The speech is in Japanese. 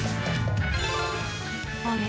あれ？